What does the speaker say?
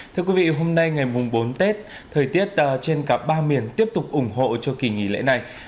thưa quý vị hôm nay ngày bốn tết thời tiết trên cả ba miền tiếp tục ủng hộ cho kỳ nghỉ lễ này